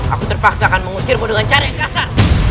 aku terpaksakan mengusirmu dengan cara yang kasar